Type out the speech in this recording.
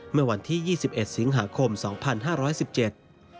เมื่อวันที่ยี่สิบเอ็ดสิงหาคมสองพันห้าร้อยสิบเจ็ด